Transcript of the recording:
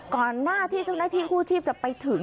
ก่อนหน้าที่เจ้าหน้าที่กู้ชีพจะไปถึง